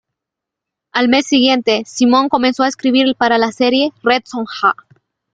Al mes siguiente, Simone comenzó a escribir para la serie "Red Sonja".